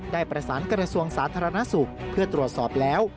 ได้ประสานกระทรวงสาธารณสุขเพื่อตรวจสอบแล้ว